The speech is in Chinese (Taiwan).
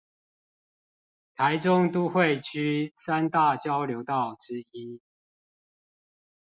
臺中都會區三大交流道之一